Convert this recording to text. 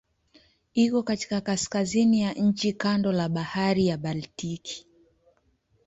Iko katika kaskazini ya nchi kando la Bahari ya Baltiki.